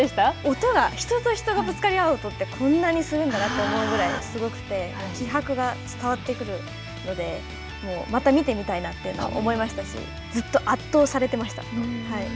音が人と人がぶつかり合う音ってこんなにするんだなと思うぐらいすごくて、気迫が伝わってくるので、もう、また見てみたいなと思いましたし、ずっと圧倒されてました。